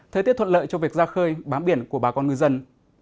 thời tiết thuận lợi cho việc ra khơi bám biển của bà con ngư dân